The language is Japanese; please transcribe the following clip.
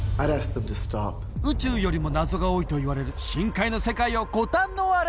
宇宙よりも謎が多いといわれる深海の世界をご堪能あれ！